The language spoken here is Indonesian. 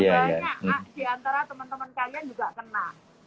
banyak diantara teman teman kalian juga kena